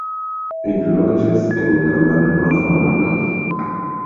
Ili loĝas en la Malnova Mondo.